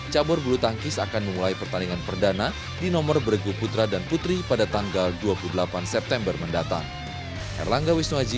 cabur bulu tangkis akan memulai pertandingan perdana di nomor bergu putra dan putri pada tanggal dua puluh delapan september mendatang